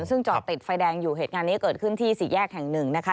ซึ่งจอดติดไฟแดงอยู่เหตุการณ์นี้เกิดขึ้นที่สี่แยกแห่งหนึ่งนะคะ